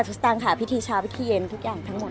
ทุกวันศุษย์ตังค่ะพิธีเช้าพิธีเย็นทุกอย่างทั้งหมด